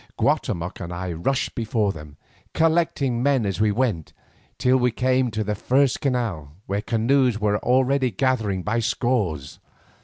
Guatemoc and I rushed before them, collecting men as we went, till we came to the first canal, where canoes were already gathering by scores.